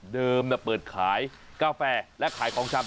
เดิมนะเปิดขายกาแฟและขายของชำ